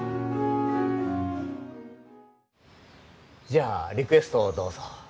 じゃあリクエストをどうぞ。